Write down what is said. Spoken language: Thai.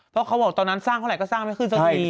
เพราะเขาบอกตอนนั้นสร้างเท่าไหก็สร้างไม่ขึ้นสักที